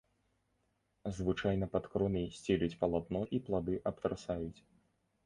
Звычайна пад кронай сцелюць палатно і плады абтрасаюць.